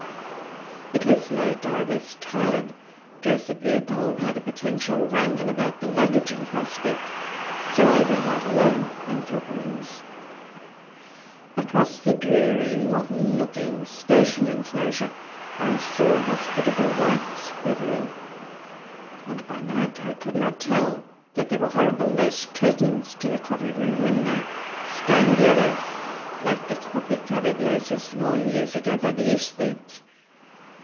It was late. I was tired. Joseph Leopold had a potential wrangle about the luggage in prospect, and so I went out alone and took rooms. Across the dreary modern looking station enclosure I saw hospitable lights quivering, and by night I could not tell that there were horrible lace curtains to the coffee room window, stained yellow, like the coffee coloured laces worn years ago by the aesthetes.